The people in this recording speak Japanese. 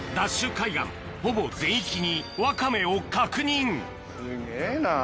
海岸ほぼ全域にワカメを確認すげぇな。